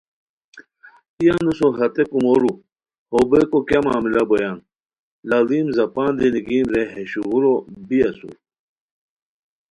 ای انوسو ہتے کومورو ہو بیکو کیہ معاملہ بویان لاڑیم زاپان دی نیگیم رے ہے شوغورو بی اسور